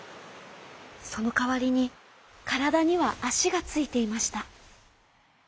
そのかわりにからだにはあしがついていました。